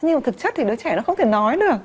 nhưng mà thực chất thì đứa trẻ nó không thể nói được